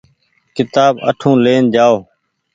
ڪيتآب اٺو لين جآئو۔